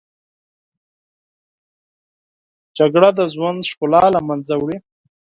جګړه د ژوند ښکلا له منځه وړي